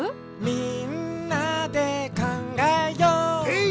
「みんなでかんがえよう」エー！